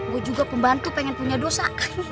gue juga pembantu pengen punya dosa